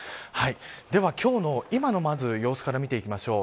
では、今日の今の様子から見ていきましょう。